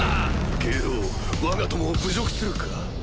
下郎わが友を侮辱するか？